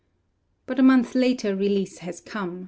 But a month later release has come.